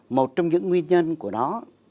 một trong những nguyên nhân của nó